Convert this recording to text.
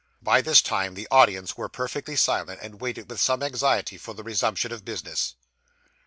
By this time the audience were perfectly silent, and waited with some anxiety for the resumption of business.